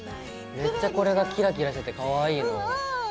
めっちゃこれがキラキラしててかわいいの。